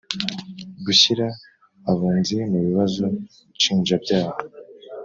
Gushyira Abunzi mu bibazo nshinjabyaha